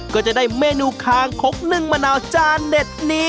ก็จะได้เมนูคางคกนึ่งมะนาวจานเด็ดนี้